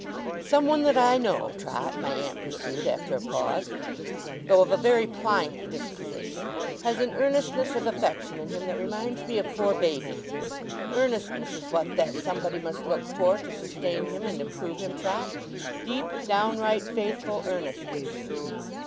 'Someone that I know, Trot,' my aunt pursued, after a pause, 'though of a very pliant disposition, has an earnestness of affection in him that reminds me of poor Baby. Earnestness is what that Somebody must look for, to sustain him and improve him, Trot. Deep, downright, faithful earnestness.